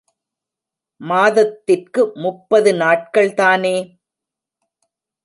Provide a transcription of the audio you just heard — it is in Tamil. மாதத்திற்கு முப்பது நாட்கள் தானே?